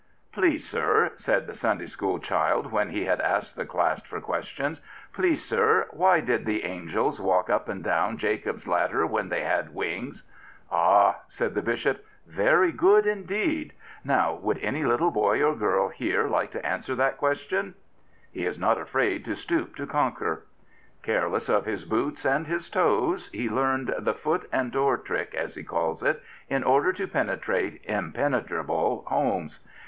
" Please, sir," said the Sunday school child when he had asked the class for questions —" please* *F 165 Prophets, Priests, and Kings sir, why did the angels walk up and down Jacob's ladder when they had wings?" "Ah," said the Bishop, " very good indeed! Now would any little boy or girl here like to answer that question? " He is not afraid to stoop to conquer. Careless of his boots and his toes, he learned " the foot and door trick," as he calls it, in order to penetrate impene trable homes.